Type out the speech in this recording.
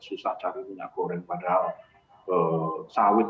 susah cari minyak goreng padahal sawit